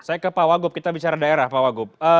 saya ke pak wagub kita bicara daerah pak wagub